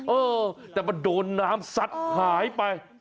เออแต่มันโดนน้ำซัดหายไป